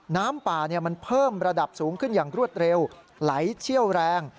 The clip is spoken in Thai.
น้ำป่ามันเพิ่มระดับสูงขึ้นอย่างรวดเร็วไหลเชี่ยวแรง